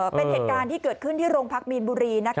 เป็นเหตุการณ์ที่เกิดขึ้นที่โรงพักมีนบุรี